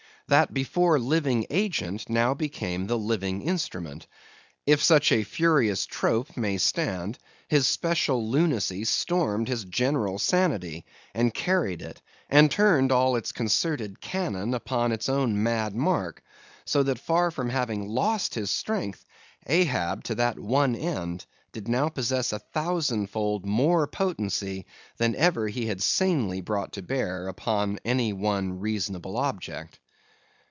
That before living agent, now became the living instrument. If such a furious trope may stand, his special lunacy stormed his general sanity, and carried it, and turned all its concentred cannon upon its own mad mark; so that far from having lost his strength, Ahab, to that one end, did now possess a thousand fold more potency than ever he had sanely brought to bear upon any one reasonable object.